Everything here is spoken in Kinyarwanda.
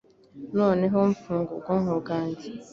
Noneho mfunga ubwonko bwanjye